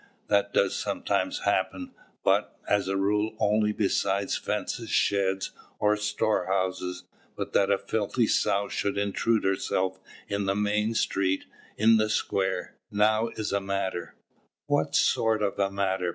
That does sometimes happen, but, as a rule, only besides fences, sheds, or storehouses; but that a filthy sow should intrude herself in the main street, in the square, now is a matter " "What sort of a matter?